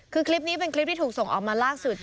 คือคลิปนี้เป็นคลิปที่ถูกส่งออกมาล่าสุด